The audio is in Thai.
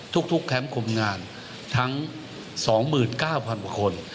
ทุกแคมป์ข้นงานทั้ง๒๙๐๐๐คน